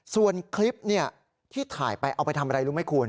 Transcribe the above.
ส่วนคลิปที่ถ่ายไปเอาไปทำอะไรรู้ไหมคุณ